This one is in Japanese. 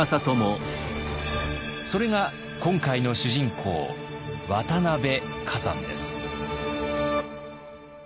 それが今回の主人公渡辺崋山です。